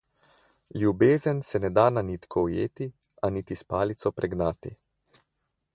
Ljubezen se ne da na nitko ujeti, a niti s palico pregnati.